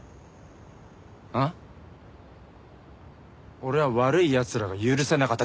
俺は悪い奴らが許せなかった。